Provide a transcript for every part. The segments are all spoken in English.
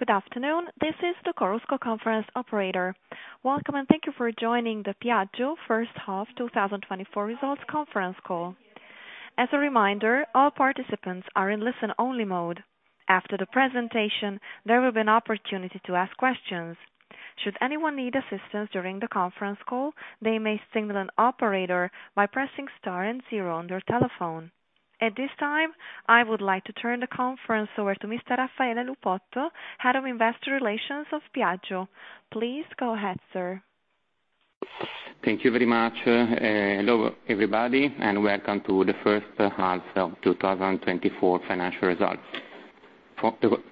Good afternoon. This is the Chorus Call Conference Operator. Welcome and thank you for joining the Piaggio First Half 2024 Results Conference Call. As a reminder, all participants are in listen-only mode. After the presentation, there will be an opportunity to ask questions. Should anyone need assistance during the conference call, they may signal an operator by pressing star and zero on their telephone. At this time, I would like to turn the conference over to Mr. Raffaele Lupotto, Head of Investor Relations of Piaggio. Please go ahead, sir. Thank you very much. Hello, everybody, and welcome to the First Half of 2024 Financial Results.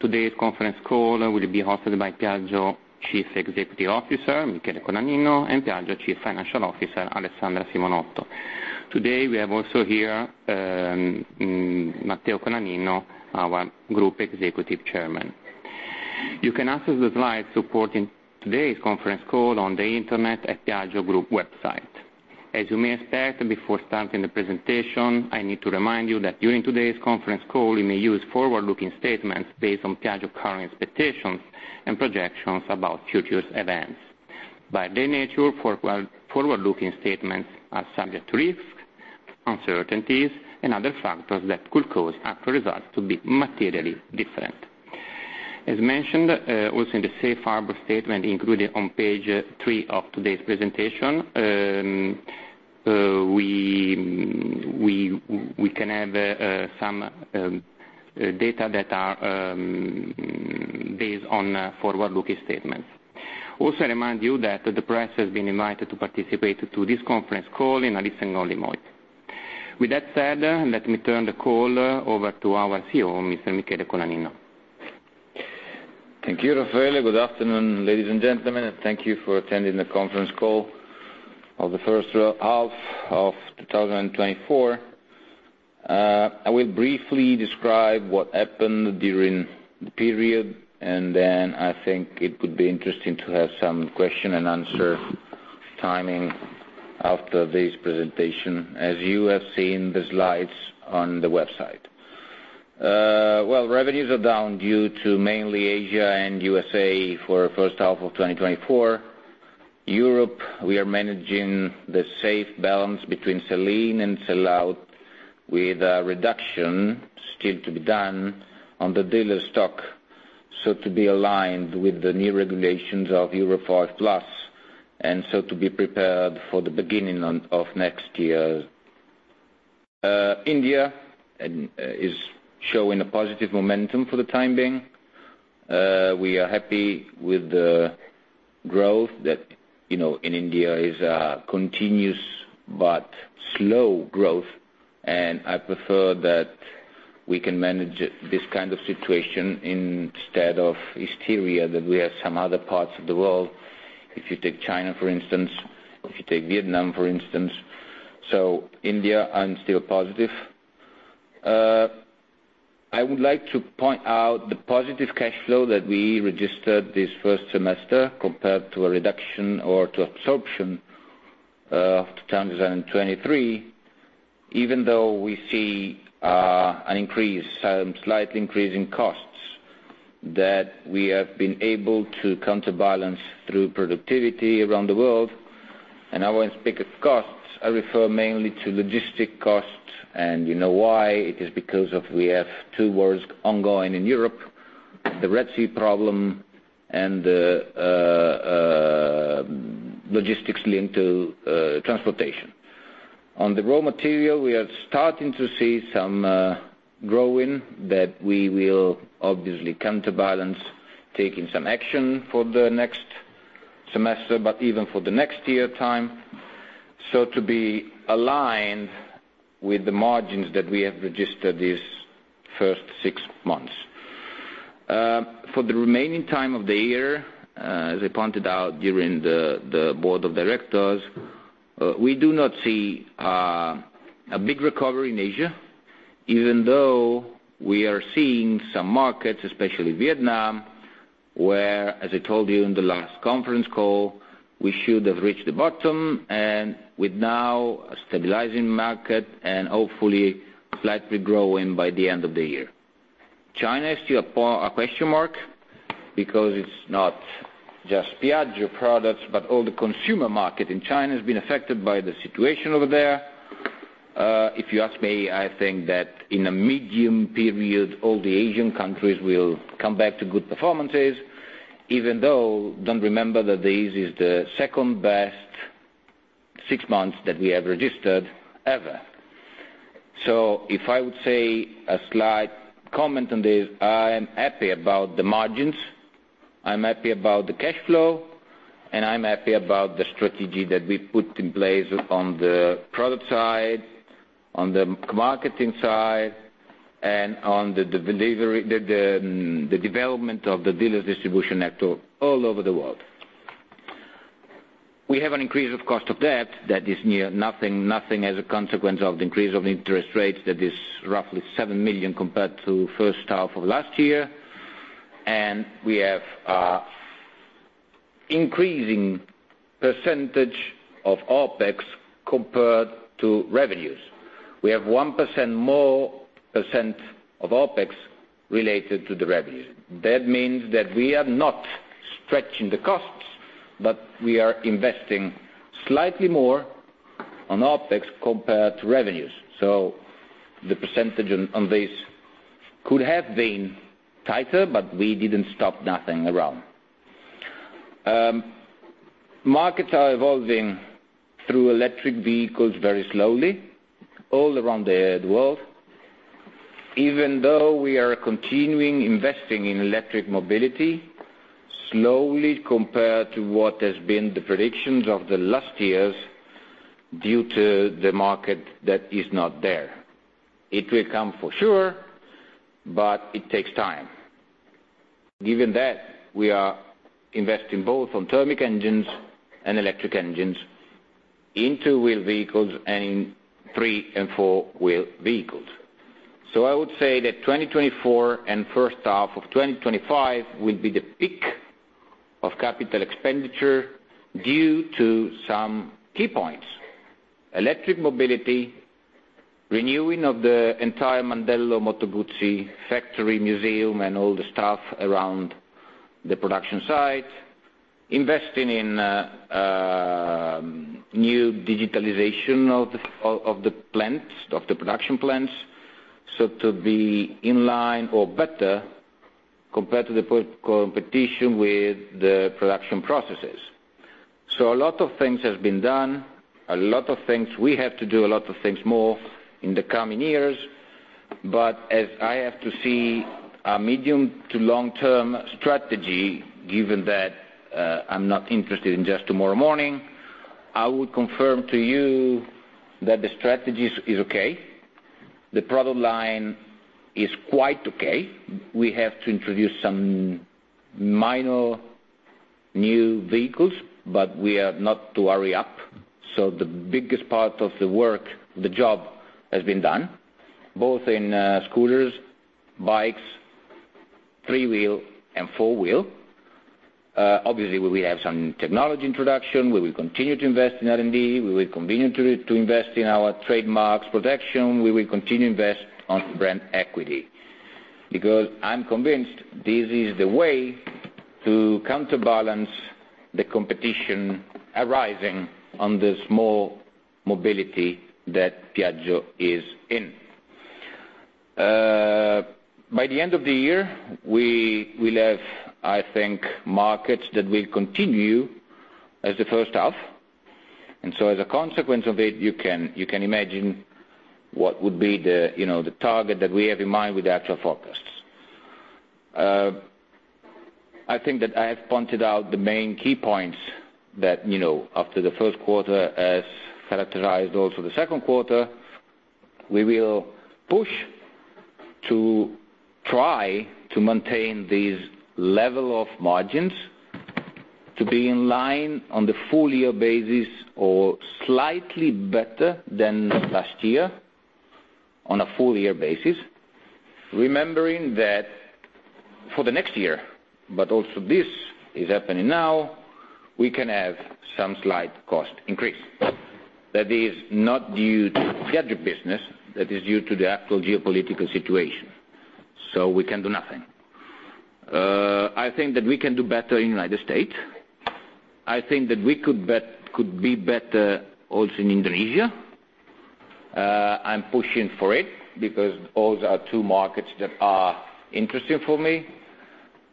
Today's conference call will be hosted by Piaggio Chief Executive Officer, Michele Colaninno, and Piaggio Chief Financial Officer, Alessandra Simonotto. Today we have also here Matteo Colaninno, our Group Executive Chairman. You can access the slides supporting today's conference call on the Internet at Piaggio Group website. As you may expect, before starting the presentation, I need to remind you that during today's conference call, we may use forward-looking statements based on Piaggio's current expectations and projections about future events. By their nature, forward-looking statements are subject to risks, uncertainties, and other factors that could cause actual results to be materially different. As mentioned also in the safe harbor statement included on page three of today's presentation, we can have some data that are based on forward-looking statements. Also, I remind you that the press has been invited to participate in this conference call in a listen-only mode. With that said, let me turn the call over to our CEO, Mr. Michele Colaninno. Thank you, Raffaele. Good afternoon, ladies and gentlemen, and thank you for attending the conference call of the First Half of 2024. I will briefly describe what happened during the period, and then I think it would be interesting to have some question-and-answer timing after this presentation, as you have seen the slides on the website. Well, revenues are down due to mainly Asia and USA for the First Half of 2024. Europe, we are managing the safe balance between sell-in and sell-out, with a reduction still to be done on the dealer stock, so to be aligned with the new regulations of Euro 5 Plus, and so to be prepared for the beginning of next year. India is showing a positive momentum for the time being. We are happy with the growth that, you know, in India is a continuous but slow growth, and I prefer that we can manage this kind of situation instead of hysteria that we have in some other parts of the world. If you take China, for instance, if you take Vietnam, for instance, so India I'm still positive. I would like to point out the positive cash flow that we registered this first semester compared to a reduction or to absorption of 2023, even though we see an increase, a slight increase in costs that we have been able to counterbalance through productivity around the world. I won't speak of costs. I refer mainly to logistics costs, and you know why. It is because we have two wars ongoing in Europe: the Red Sea problem and the logistics linked to transportation. On the raw material, we are starting to see some growing that we will obviously counterbalance, taking some action for the next semester, but even for the next year's time, so to be aligned with the margins that we have registered these first six months. For the remaining time of the year, as I pointed out during the Board of Directors, we do not see a big recovery in Asia, even though we are seeing some markets, especially Vietnam, where, as I told you in the last conference call, we should have reached the bottom, and with now a stabilizing market and hopefully slightly growing by the end of the year. China is still a question mark because it's not just Piaggio products, but all the consumer market in China has been affected by the situation over there. If you ask me, I think that in a medium period, all the Asian countries will come back to good performances, even though don't remember that this is the second best six months that we have registered ever. So if I would say a slight comment on this, I am happy about the margins, I'm happy about the cash flow, and I'm happy about the strategy that we put in place on the product side, on the marketing side, and on the delivery, the development of the dealer's distribution network all over the world. We have an increase of cost of debt that is near nothing, nothing as a consequence of the increase of interest rates that is roughly 7 million compared to the First Half of last year, and we have an increasing percentage of OPEX compared to revenues. We have 1% more percent of OPEX related to the revenues. That means that we are not stretching the costs, but we are investing slightly more on OPEX compared to revenues. So the percentage on this could have been tighter, but we didn't stop nothing around. Markets are evolving through electric vehicles very slowly all around the world, even though we are continuing investing in electric mobility slowly compared to what has been the predictions of the last years due to the market that is not there. It will come for sure, but it takes time. Given that, we are investing both on thermic engines and electric engines into wheeled vehicles and in three- and four-wheel vehicles. So I would say that 2024 and the first half of 2025 will be the peak of capital expenditure due to some key points: electric mobility, renewing of the entire Mandello Moto Guzzi factory museum and all the stuff around the production site, investing in new digitalization of the plants, of the production plants, so to be in line or better compared to the competition with the production processes. So a lot of things have been done, a lot of things we have to do, a lot of things more in the coming years, but as I have to see a medium- to long-term strategy, given that I'm not interested in just tomorrow morning, I would confirm to you that the strategy is okay. The product line is quite okay. We have to introduce some minor new vehicles, but we are not to hurry up. So the biggest part of the work, the job, has been done, both in scooters, bikes, three-wheel, and four-wheel. Obviously, we will have some technology introduction. We will continue to invest in R&D. We will continue to invest in our trademarks protection. We will continue to invest on brand equity because I'm convinced this is the way to counterbalance the competition arising on the small mobility that Piaggio is in. By the end of the year, we will have, I think, markets that will continue as the First Half, and so as a consequence of it, you can imagine what would be the, you know, the target that we have in mind with the actual forecasts. I think that I have pointed out the main key points that, you know, after the first quarter, as characterized also the second quarter, we will push to try to maintain this level of margins to be in line on the full-year basis or slightly better than last year on a full-year basis, remembering that for the next year, but also this is happening now, we can have some slight cost increase that is not due to Piaggio business, that is due to the actual geopolitical situation. So we can do nothing. I think that we can do better in the United States. I think that we could be better also in Indonesia. I'm pushing for it because those are two markets that are interesting for me.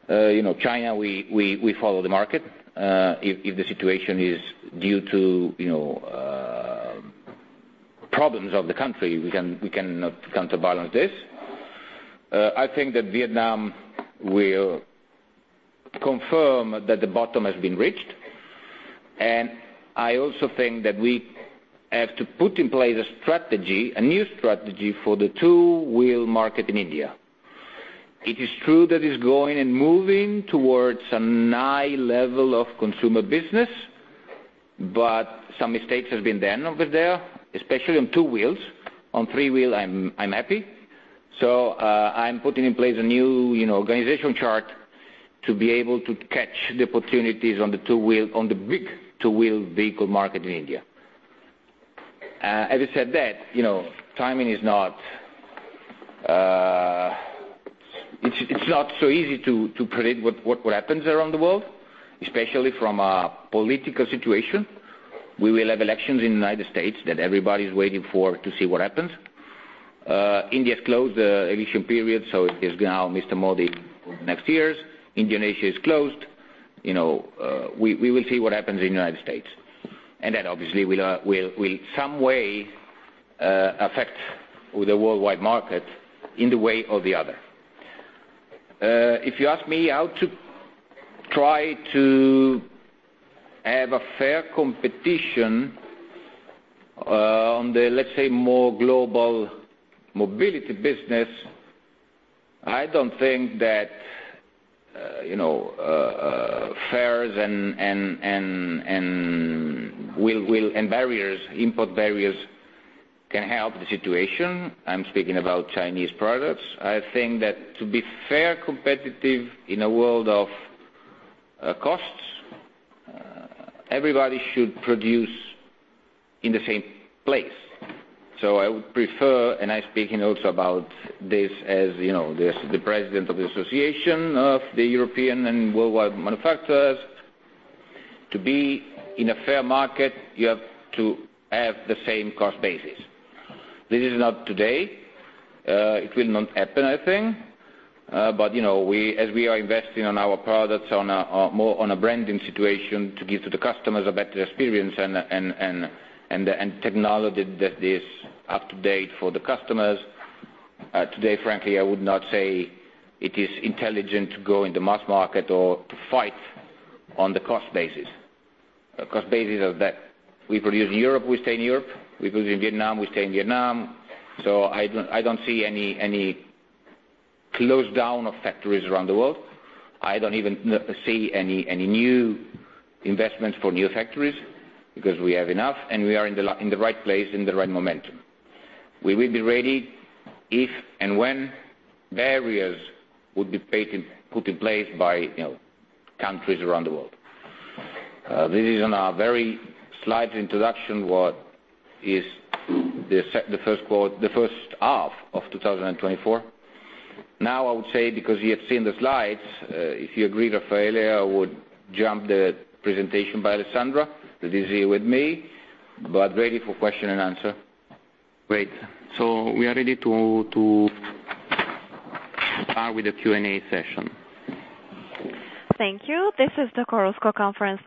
You know, China, we follow the market. If the situation is due to, you know, problems of the country, we cannot counterbalance this. I think that Vietnam will confirm that the bottom has been reached, and I also think that we have to put in place a strategy, a new strategy for the two-wheel market in India. It is true that it's going and moving towards a high level of consumer business, but some mistakes have been done over there, especially on two wheels. On three-wheel, I'm happy. So I'm putting in place a new, you know, organization chart to be able to catch the opportunities on the two-wheel, on the big two-wheel vehicle market in India. As I said, that, you know, timing is not, it's not so easy to predict what happens around the world, especially from a political situation. We will have elections in the United States that everybody's waiting for to see what happens. India's closed the election period, so there's now Mr. Modi for the next years. Indonesia is closed. You know, we will see what happens in the United States, and that obviously will some way affect the worldwide market in the way or the other. If you ask me how to try to have a fair competition on the, let's say, more global mobility business, I don't think that, you know, fares and barriers, import barriers can help the situation. I'm speaking about Chinese products. I think that to be fair competitive in a world of costs, everybody should produce in the same place. So I would prefer, and I'm speaking also about this as, you know, the president of the Association of the European and Worldwide Manufacturers, to be in a fair market, you have to have the same cost basis. This is not today. It will not happen, I think, but, you know, as we are investing on our products more on a branding situation to give to the customers a better experience and technology that is up to date for the customers. Today, frankly, I would not say it is intelligent to go in the mass market or to fight on the cost basis. Cost basis is that we produce in Europe, we stay in Europe. We produce in Vietnam, we stay in Vietnam. So I don't see any close down of factories around the world. I don't even see any new investments for new factories because we have enough, and we are in the right place in the right momentum. We will be ready if and when barriers would be put in place by, you know, countries around the world. This is only a very slight introduction to what is the first half of 2024. Now, I would say, because you have seen the slides, if you agree or not, I would jump the presentation by Alessandra that is here with me, but ready for question and answer. Great. So we are ready to start with the Q&A session. Thank you. This is the conference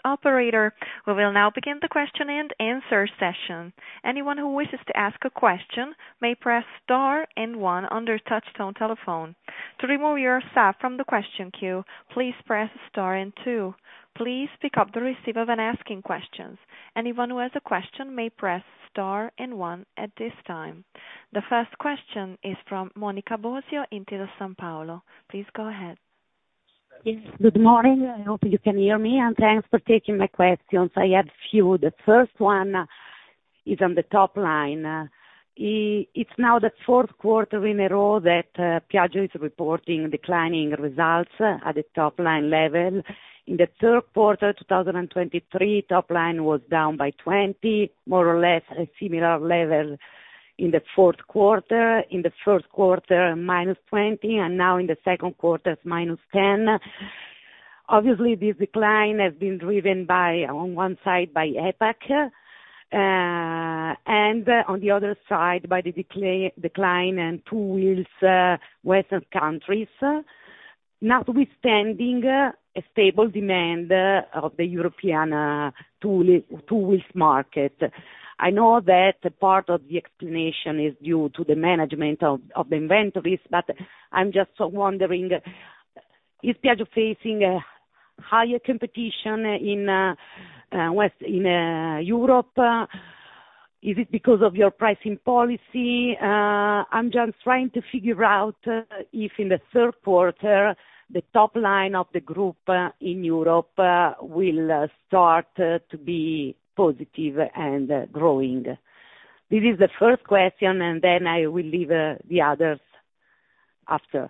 call operator. We will now begin the question and answer session. Anyone who wishes to ask a question may press star and one on your touchtone telephone. To remove yourself from the question queue, please press star and two. Please pick up the receiver when asking questions. Anyone who has a question may press star and one at this time. The first question is from Monica Bosio of Intesa Sanpaolo. Please go ahead. Yes, good morning. I hope you can hear me, and thanks for taking my questions. I have a few. The first one is on the top line. It's now the fourth quarter in a row that Piaggio is reporting declining results at the top line level. In the third quarter of 2023, top line was down by 20, more or less a similar level in the fourth quarter. In the first quarter, minus 20, and now in the second quarter, it's minus 10. Obviously, this decline has been driven by, on one side, by EPAC, and on the other side, by the decline in two-wheels, Western countries, notwithstanding a stable demand of the European two-wheels market. I know that part of the explanation is due to the management of the inventories, but I'm just wondering, is Piaggio facing higher competition in Europe? Is it because of your pricing policy? I'm just trying to figure out if in the third quarter the top line of the group in Europe will start to be positive and growing. This is the first question, and then I will leave the others after.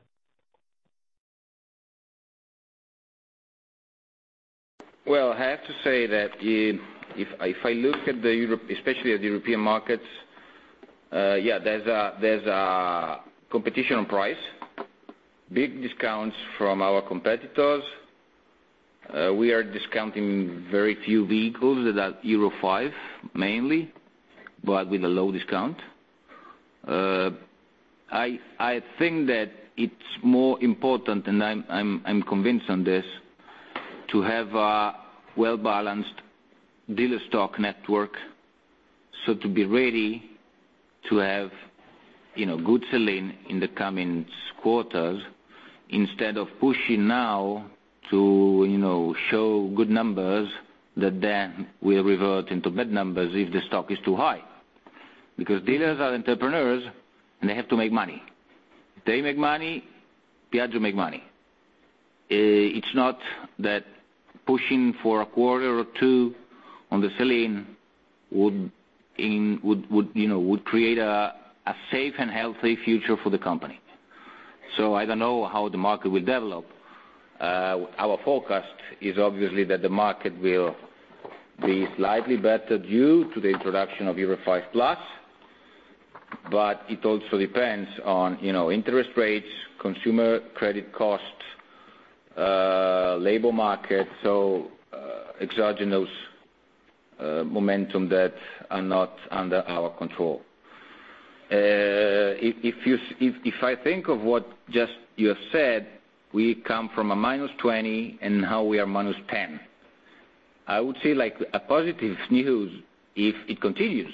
Well, I have to say that if I look at the, especially at the European markets, yeah, there's a competition on price, big discounts from our competitors. We are discounting very few vehicles that are Euro 5 mainly, but with a low discount. I think that it's more important, and I'm convinced on this, to have a well-balanced dealer stock network so to be ready to have, you know, good selling in the coming quarters instead of pushing now to, you know, show good numbers that then will revert into bad numbers if the stock is too high. Because dealers are entrepreneurs, and they have to make money. If they make money, Piaggio makes money. It's not that pushing for a quarter or two on the selling would, you know, would create a safe and healthy future for the company. I don't know how the market will develop. Our forecast is obviously that the market will be slightly better due to the introduction of Euro 5 Plus, but it also depends on, you know, interest rates, consumer credit cost, labor market, so exogenous momentum that are not under our control. If I think of what just you have said, we come from a -20 and now we are -10. I would say like a positive news if it continues.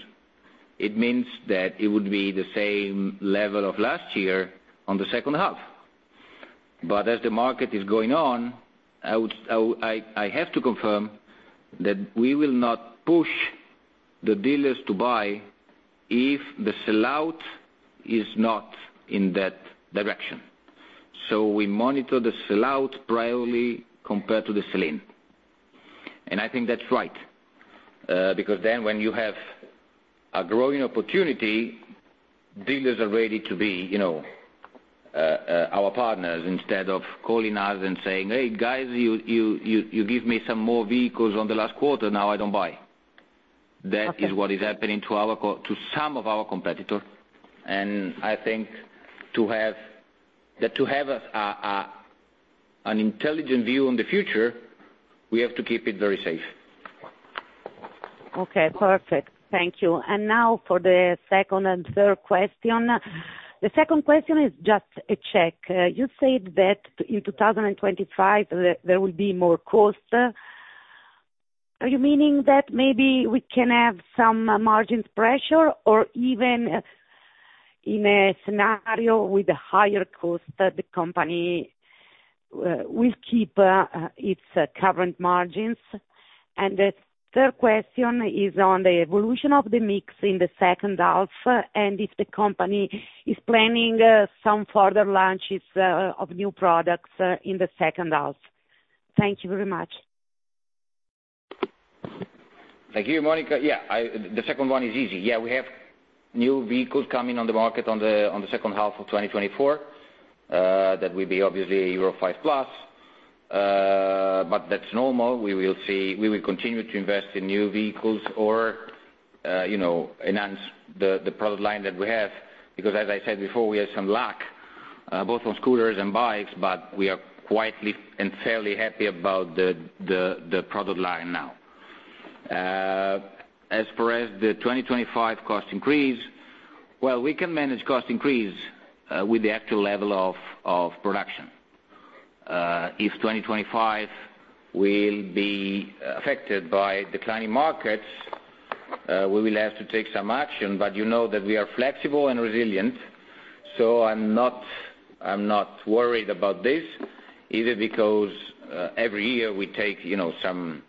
It means that it would be the same level of last year on the second half. But as the market is going on, I have to confirm that we will not push the dealers to buy if the sellout is not in that direction. So we monitor the sellout priority compared to the selling. And I think that's right because then when you have a growing opportunity, dealers are ready to be, you know, our partners instead of calling us and saying, "Hey guys, you give me some more vehicles on the last quarter, now I don't buy." That is what is happening to some of our competitors. And I think to have an intelligent view on the future, we have to keep it very safe. Okay, perfect. Thank you. And now for the second and third question. The second question is just a check. You said that in 2025 there will be more costs. Are you meaning that maybe we can have some margin pressure or even in a scenario with a higher cost, the company will keep its current margins? And the third question is on the evolution of the mix in the second half and if the company is planning some further launches of new products in the second half. Thank you very much. Thank you, Monica. Yeah, the second one is easy. Yeah, we have new vehicles coming on the market on the second half of 2024 that will be obviously Euro 5 Plus, but that's normal. We will continue to invest in new vehicles or, you know, enhance the product line that we have because, as I said before, we have some lack both on scooters and bikes, but we are quietly and fairly happy about the product line now. As far as the 2025 cost increase, well, we can manage cost increase with the actual level of production. If 2025 will be affected by declining markets, we will have to take some action, but you know that we are flexible and resilient, so I'm not worried about this either because every year we take, you know, some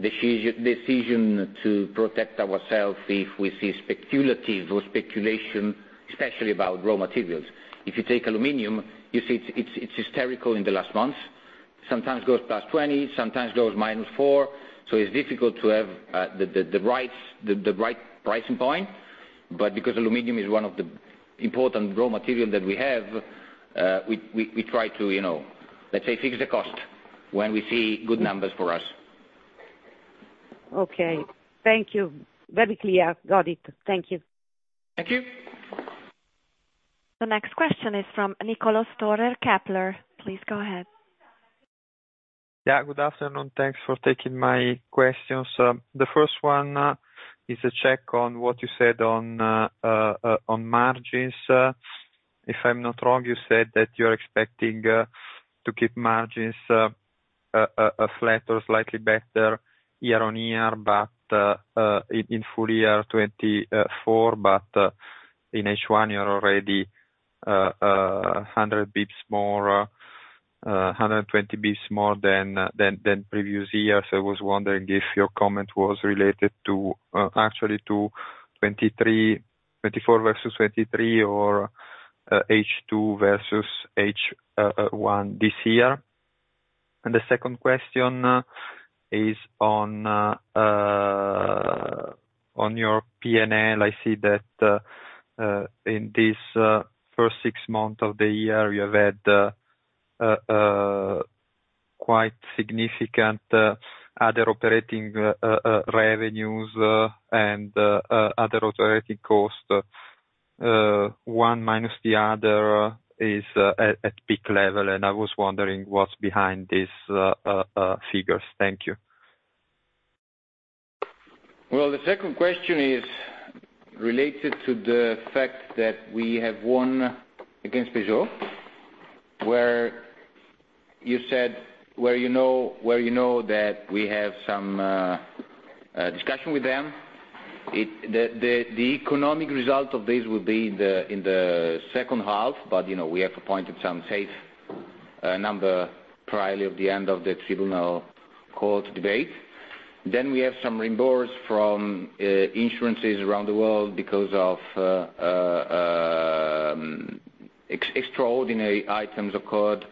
decision to protect ourselves if we see speculative or speculation, especially about raw materials. If you take aluminum, you see it's hysterical in the last months. Sometimes it goes +20, sometimes it goes -4, so it's difficult to have the right pricing point. But because aluminum is one of the important raw materials that we have, we try to, you know, let's say fix the cost when we see good numbers for us. Okay, thank you. Very clear. Got it. Thank you. Thank you. The next question is from Niccolò Storer, Kepler Cheuvreux. Please go ahead. Yeah, good afternoon. Thanks for taking my questions. The first one is a check on what you said on margins. If I'm not wrong, you said that you're expecting to keep margins flat or slightly better year-over-year, but in full year 2024, but in H1 you're already 100 basis points more, 120 basis points more than previous year. So I was wondering if your comment was related to actually to 2023, 2024 versus 2023 or H2 versus H1 this year. And the second question is on your P&L. I see that in this first six months of the year you have had quite significant other operating revenues and other operating costs. One minus the other is at peak level, and I was wondering what's behind these figures. Thank you. Well, the second question is related to the fact that we have won against Peugeot, where you said where you know that we have some discussion with them. The economic result of this will be in the second half, but you know we have accounted for some safe number probably at the end of the tribunal court debate. Then we have some reimbursements from insurers around the world because of extraordinary items occurred.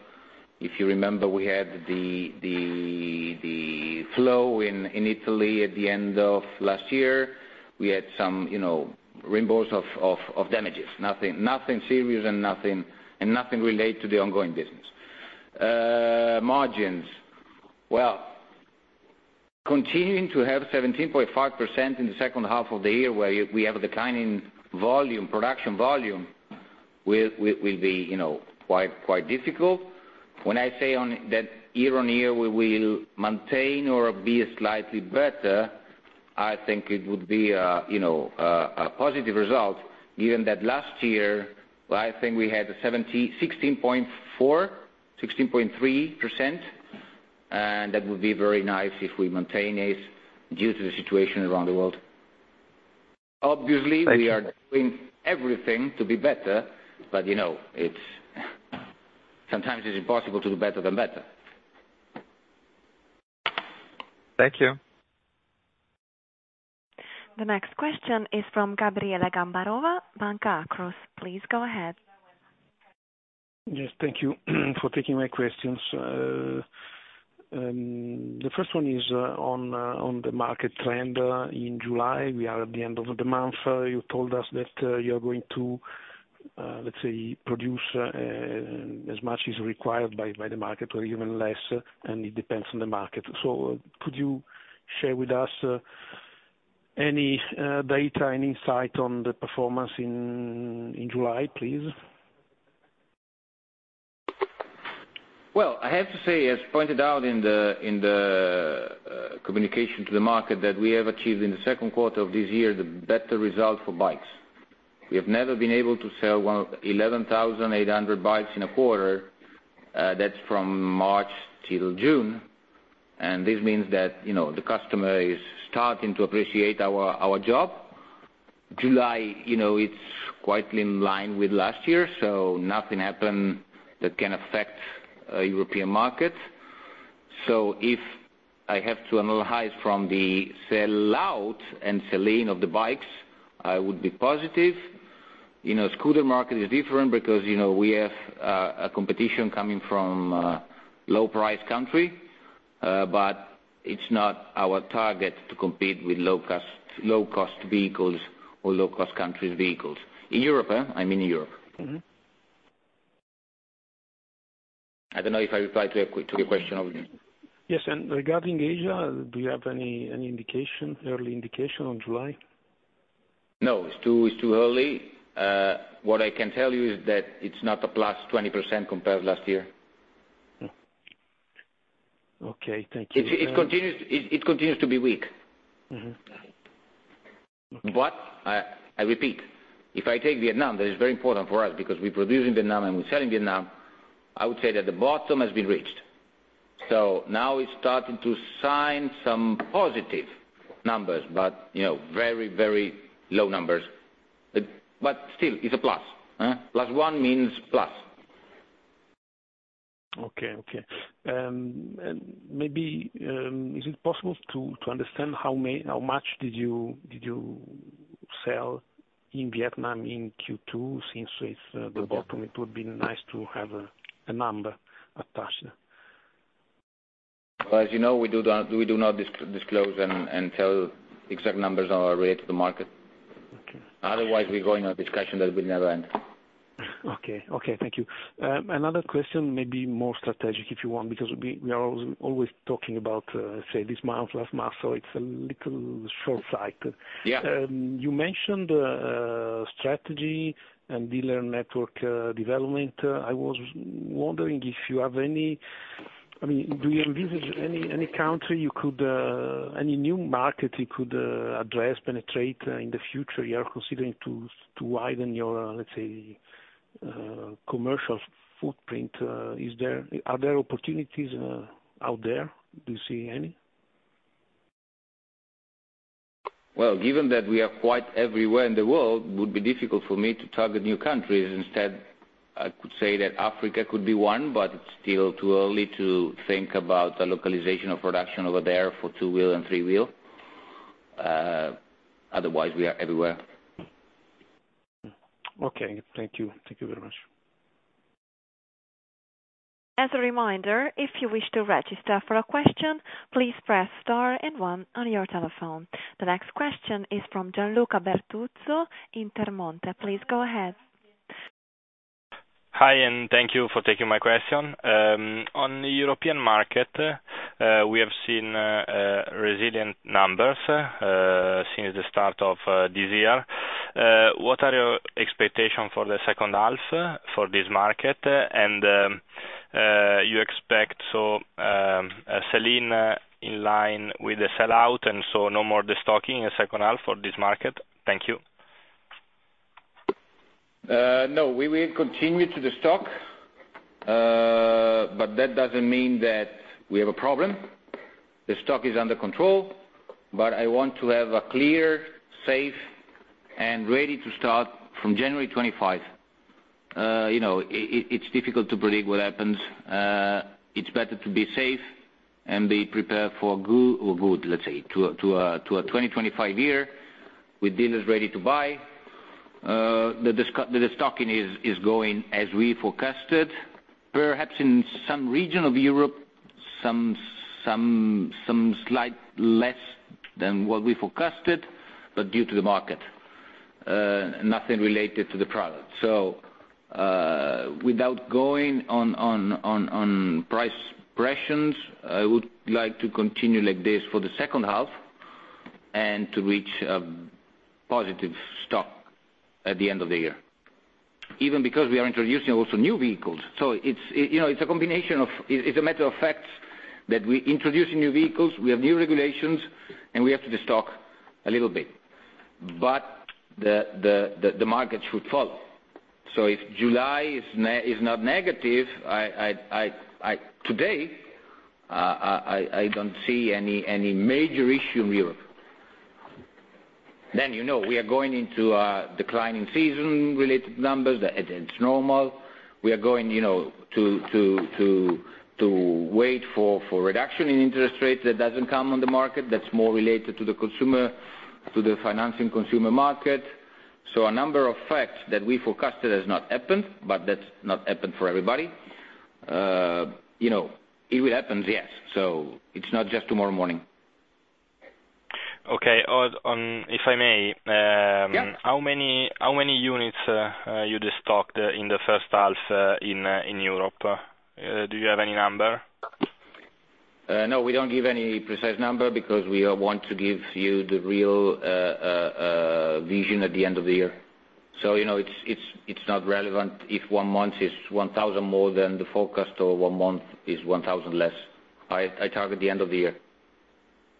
If you remember, we had the flood in Italy at the end of last year. We had some, you know, reimbursement of damages. Nothing serious and nothing related to the ongoing business. Margins. Well, continuing to have 17.5% in the second half of the year where we have a declining volume, production volume will be, you know, quite difficult. When I say that year on year we will maintain or be slightly better, I think it would be, you know, a positive result given that last year I think we had 16.4%, 16.3%, and that would be very nice if we maintain this due to the situation around the world. Obviously, we are doing everything to be better, but you know, sometimes it's impossible to do better than better. Thank you. The next question is from Gabriele Gambarova, Banca Akros. Please go ahead. Yes, thank you for taking my questions. The first one is on the market trend in July. We are at the end of the month. You told us that you're going to, let's say, produce as much as required by the market or even less, and it depends on the market. So could you share with us any data, any insight on the performance in July, please? Well, I have to say, as pointed out in the communication to the market that we have achieved in the second quarter of this year the better result for bikes. We have never been able to sell 11,800 bikes in a quarter. That's from March till June. And this means that, you know, the customer is starting to appreciate our job. July, you know, it's quite in line with last year, so nothing happened that can affect the European market. So if I have to analyze from the sell-out and sell-in of the bikes, I would be positive. You know, the scooter market is different because, you know, we have a competition coming from a low-priced country, but it's not our target to compete with low-cost vehicles or low- cost country's vehicles. In Europe, I mean in Europe. I don't know if I replied to your question. Yes, and regarding Asia, do you have any indication, early indication on July? No, it's too early. What I can tell you is that it's not +20% compared to last year. Okay, thank you. It continues to be weak. But I repeat, if I take Vietnam, that is very important for us because we produce in Vietnam and we sell in Vietnam, I would say that the bottom has been reached. So now it's starting to sign some positive numbers, but, you know, very, very low numbers. But still, it's a plus. +1 means plus. Okay, okay. Maybe, is it possible to understand how much did you sell in Vietnam in Q2 since the bottom? It would be nice to have a number attached. Well, as you know, we do not disclose and tell exact numbers related to the market. Otherwise, we're going on a discussion that will never end. Okay, okay, thank you. Another question, maybe more strategic if you want, because we are always talking about, say, this month, last month, so it's a little shortsighted. You mentioned strategy and dealer network development. I was wondering if you have any, I mean, do you envisage any country you could, any new market you could address, penetrate in the future? You are considering to widen your, let's say, commercial footprint. Are there opportunities out there? Do you see any? Well, given that we are quite everywhere in the world, it would be difficult for me to target new countries. Instead, I could say that Africa could be one, but it's still too early to think about a localization of production over there for two-wheel and three-wheel. Otherwise, we are everywhere. Okay, thank you. Thank you very much. As a reminder, if you wish to register for a question, please press star and one on your telephone. The next question is from Gianluca Bertuzzo in Intermonte. Please go ahead. Hi, and thank you for taking my question. On the European market, we have seen resilient numbers since the start of this year. What are your expectations for the second half for this market? And you expect sell-in in line with the sell-out and so no more stocking in the second half for this market? Thank you. No, we will continue to stock, but that doesn't mean that we have a problem. The stock is under control, but I want to have a clear, safe, and ready to start from January 25. You know, it's difficult to predict what happens. It's better to be safe and be prepared for good, let's say, to a 2025 year with dealers ready to buy. The stocking is going as we forecasted, perhaps in some region of Europe, slightly less than what we forecasted, but due to the market. Nothing related to the product. So without going on price pressures, I would like to continue like this for the second half and to reach a positive stock at the end of the year. Even because we are introducing also new vehicles. So it's a combination of, it's a matter of fact that we're introducing new vehicles, we have new regulations, and we have to stock a little bit. But the market should follow. So if July is not negative, today I don't see any major issue in Europe. Then, you know, we are going into a declining season related to numbers. It's normal. We are going, you know, to wait for reduction in interest rates that doesn't come on the market. That's more related to the consumer, to the financing consumer market. So a number of facts that we forecasted has not happened, but that's not happened for everybody. You know, it will happen, yes. So it's not just tomorrow morning. Okay, if I may, how many units you destocked in the first half in Europe? Do you have any number? No, we don't give any precise number because we want to give you the real vision at the end of the year. So, you know, it's not relevant if one month is 1,000 more than the forecast or one month is 1,000 less. I target the end of the year.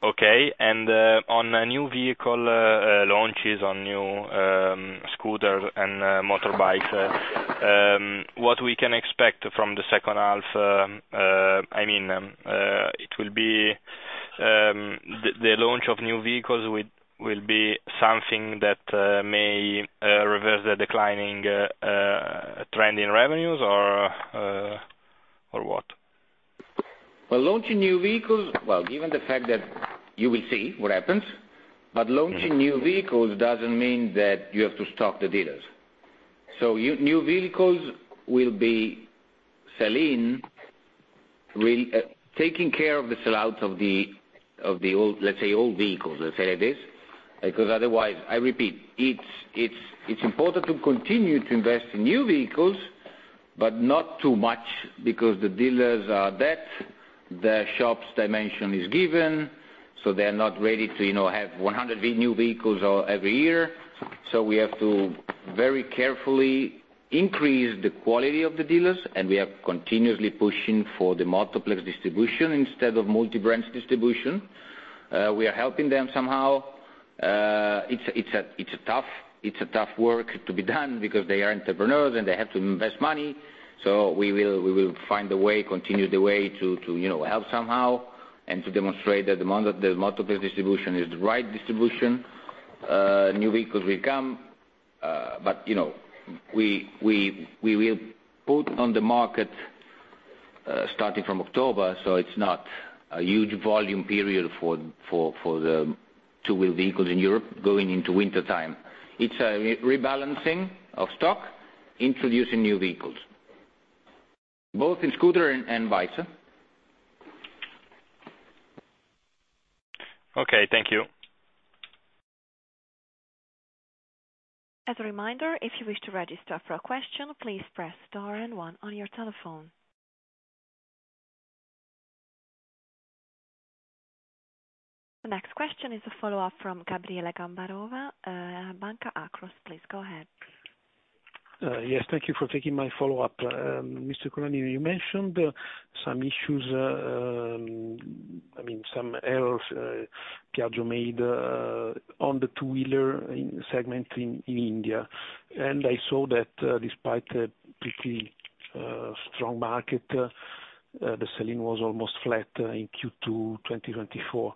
Okay, and on new vehicle launches, on new scooters and motorbikes, what we can expect from the second half, I mean, it will be the launch of new vehicles will be something that may reverse the declining trend in revenues or what? Well, launching new vehicles, well, given the fact that you will see what happens, but launching new vehicles doesn't mean that you have to stock the dealers. So new vehicles will be selling, taking care of the sell-out of the old, let's say, old vehicles, let's say like this. Because otherwise, I repeat, it's important to continue to invest in new vehicles, but not too much because the dealers are dead, the shops dimension is given, so they are not ready to, you know, have 100 new vehicles every year. So we have to very carefully increase the quality of the dealers, and we are continuously pushing for the Motoplex distribution instead of multi-brand distribution. We are helping them somehow. It's a tough work to be done because they are entrepreneurs and they have to invest money. So we will find a way, continue the way to help somehow and to demonstrate that the Motoplex distribution is the right distribution. New vehicles will come, but, you know, we will put on the market starting from October, so it's not a huge volume period for the two-wheel vehicles in Europe going into wintertime. It's a rebalancing of stock, introducing new vehicles, both in scooter and bikes. Okay, thank you. As a reminder, if you wish to register for a question, please press star and one on your telephone. The next question is a follow-up from Gabriele Gambarova, Banca Akros. Please go ahead. Yes, thank you for taking my follow-up. Mr. Colaninno, you mentioned some issues, I mean, some errors Piaggio made on the two-wheeler segment in India. And I saw that despite a pretty strong market, the selling was almost flat in Q2 2024.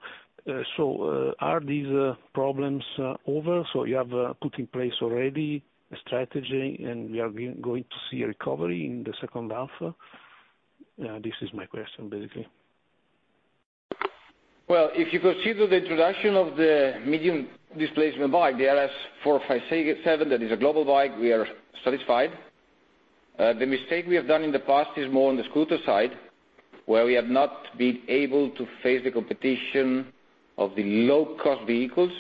So are these problems over? So you have put in place already a strategy, and we are going to see a recovery in the second half? This is my question, basically. Well, if you consider the introduction of the medium displacement bike, the RS457, that is a global bike, we are satisfied. The mistake we have done in the past is more on the scooter side, where we have not been able to face the competition of the low-cost vehicles.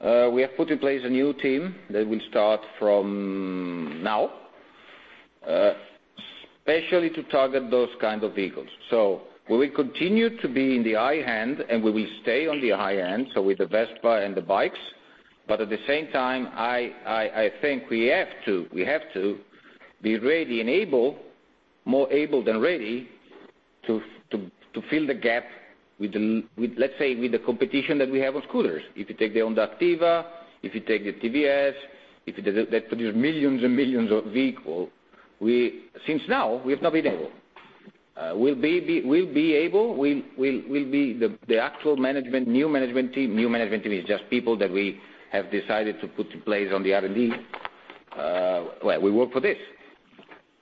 We have put in place a new team that will start from now, especially to target those kinds of vehicles. So we will continue to be in the high end, and we will stay on the high end, so with the Vespa and the bikes. But at the same time, I think we have to be ready and able, more able than ready, to fill the gap with, let's say, with the competition that we have on scooters. If you take the Honda Activa, if you take the TVS, if that produces millions and millions of vehicles, since now, we have not been able. We'll be able, we'll be the actual management, new management team. New management team is just people that we have decided to put in place on the R&D. Well, we work for this.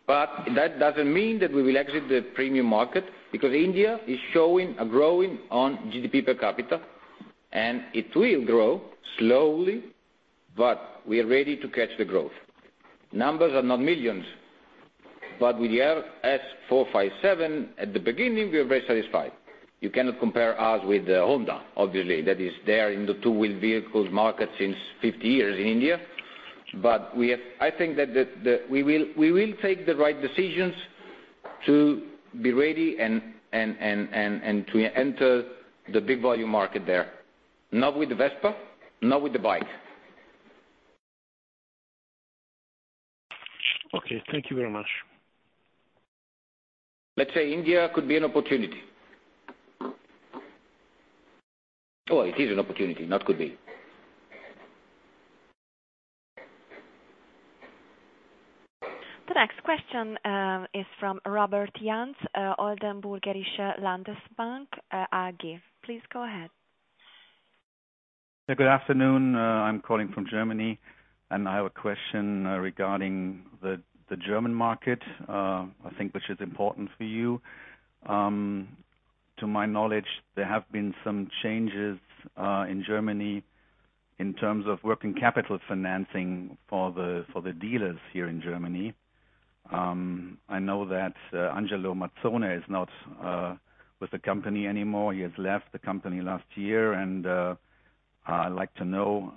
But that doesn't mean that we will exit the premium market because India is showing a growing on GDP per capita, and it will grow slowly, but we are ready to catch the growth. Numbers are not millions, but with the RS457, at the beginning, we are very satisfied. You cannot compare us with Honda, obviously, that is there in the two-wheel vehicles market since 50 years in India. But I think that we will take the right decisions to be ready and to enter the big volume market there. Not with the Vespa, not with the bike. Okay, thank you very much. Let's say India could be an opportunity. Oh, it is an opportunity, not could be. The next question is from Robert Janz, Oldenburgische Landesbank AG. Please go ahead. Good afternoon. I'm calling from Germany, and I have a question regarding the German market, I think which is important for you. To my knowledge, there have been some changes in Germany in terms of working capital financing for the dealers here in Germany. I know that Angelo Mazzone is not with the company anymore. He has left the company last year, and I'd like to know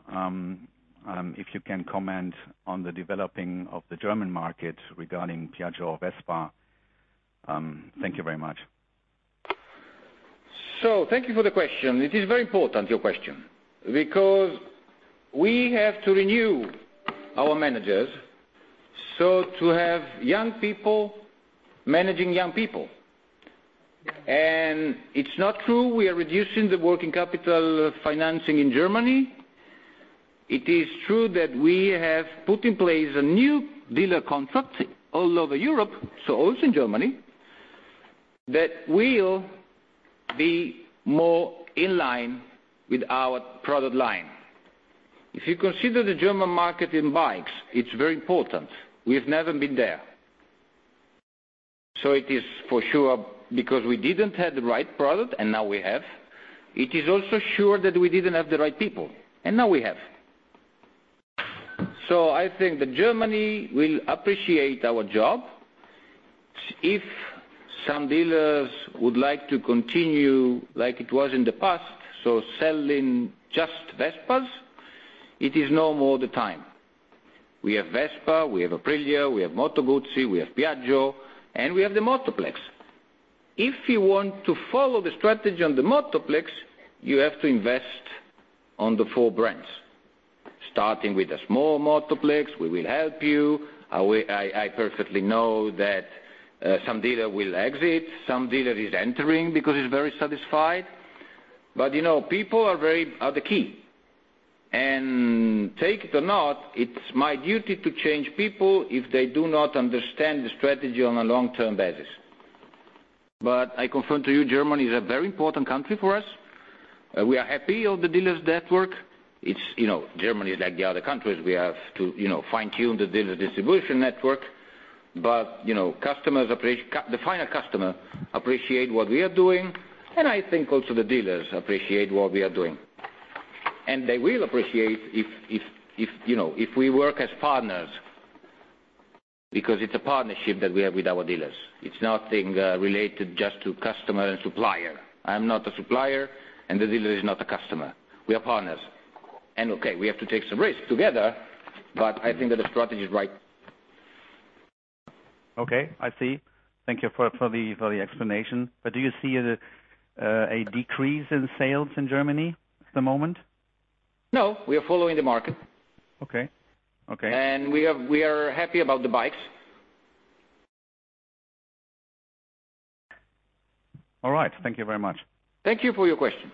if you can comment on the developing of the German market regarding Piaggio or Vespa. Thank you very much. So thank you for the question. It is very important, your question, because we have to renew our managers. So to have young people managing young people. And it's not true we are reducing the working capital financing in Germany. It is true that we have put in place a new dealer contract all over Europe, so also in Germany, that will be more in line with our product line. If you consider the German market in bikes, it's very important. We've never been there. So it is for sure because we didn't have the right product, and now we have. It is also sure that we didn't have the right people, and now we have. So I think that Germany will appreciate our job if some dealers would like to continue like it was in the past, so selling just Vespas. It is no more the time. We have Vespa, we have Aprilia, we have Moto Guzzi, we have Piaggio, and we have the Motoplex. If you want to follow the strategy on the Motoplex, you have to invest on the four brands, starting with a small Motoplex. We will help you. I perfectly know that some dealer will exit, some dealer is entering because he's very satisfied. But, you know, people are the key. And take it or not, it's my duty to change people if they do not understand the strategy on a long-term basis. But I confirm to you, Germany is a very important country for us. We are happy of the dealers' network. Germany is like the other countries. We have to fine-tune the dealers' distribution network, but the final customer appreciates what we are doing, and I think also the dealers appreciate what we are doing. And they will appreciate if we work as partners because it's a partnership that we have with our dealers. It's nothing related just to customer and supplier. I'm not a supplier, and the dealer is not a customer. We are partners. Okay, we have to take some risks together, but I think that the strategy is right. Okay, I see. Thank you for the explanation. But do you see a decrease in sales in Germany at the moment? No, we are following the market. Okay. Okay. We are happy about the bikes. All right, thank you very much. Thank you for your question.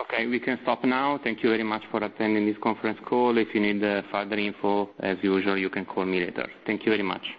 Okay, we can stop now. Thank you very much for attending this conference call. If you need further info, as usual, you can call me later. Thank you very much.